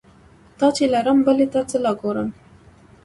تا چې لرم بلې ته څه له ګورم؟